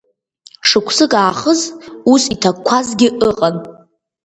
Шықәсык аахыс ус иҭакқәазгьы ыҟан.